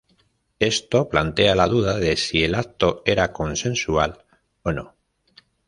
Esto plantea la duda de si el acto era consensual o no.